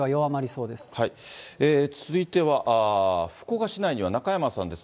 続いては福岡市内には中山さんです。